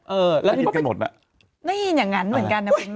เออแล้วพี่ป๊อบไปได้ยินอย่างนั้นเหมือนกันนะคุณแม่